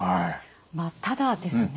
ただですね